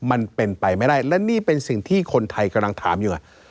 มันเป็นไปไม่ได้และนี่เป็นสิ่งที่คนไทยกำลังถามอยู่ไง